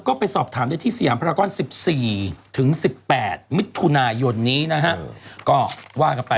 ก็ไปสอบถามได้ที่สยามพรากร๑๔ถึง๑๘มิถุนายนนี้นะฮะก็ว่ากันไป